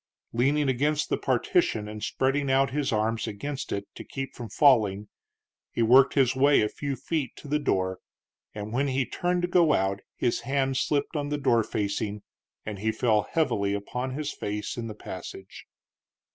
Leaning against the partition, and spreading out his arms against it to keep from falling, he worked his way a few feet to the door, and when he turned to go out his hand slipped on the door facing and he fell heavily upon his face in the passage.